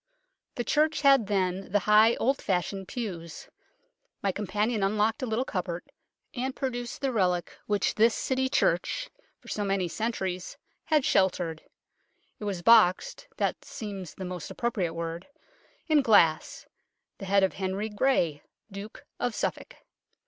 The church had then the high old fashioned pews. My companion unlocked a little cupboard, and pro duced the relic which this City church for so many centuries had sheltered. It was boxed (that seems the most appropriate word) in glass the head of Henry Grey, Duke of Suffolk.